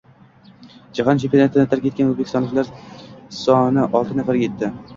Jahon chempionatini tark etgan o‘zbekistonliklar sonioltinafarga yetdi